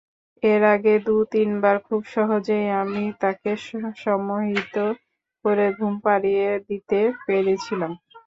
এর আগে দু-তিনবার খুব সহজেই আমি তাকে সম্মোহিত করে ঘুম পাড়িয়ে দিতে পেরেছিলাম।